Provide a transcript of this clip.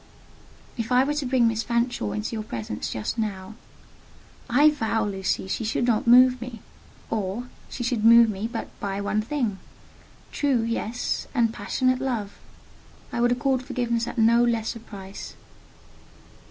"If I were to bring Miss Fanshawe into your presence just now?" "I vow, Lucy, she should not move me: or, she should move me but by one thing—true, yes, and passionate love. I would accord forgiveness at no less a price."